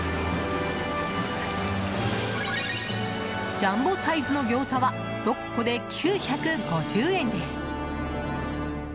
ジャンボサイズの餃子は６個で９５０円です。